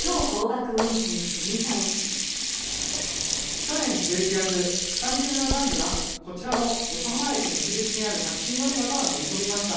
去年１１月２人組の男女がこちらの横浜駅西口にあるタクシー乗り場から乗り込みました。